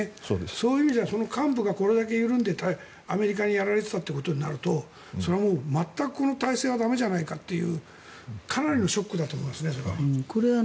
そういう意味で幹部がこれだけいてアメリカにやられてたということになるとそれは全くこの体制は駄目じゃないかというかなりのショックだと思います。